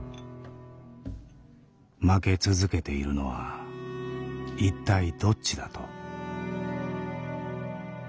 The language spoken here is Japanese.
「負け続けているのはいったいどっちだ？」と。